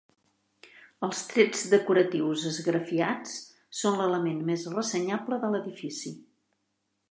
Els trets decoratius esgrafiats són l'element més ressenyable de l'edifici.